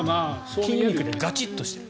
筋肉でガチッとしている。